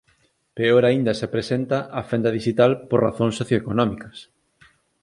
Peor aínda se presenta a fenda dixital por razóns socioeconómicas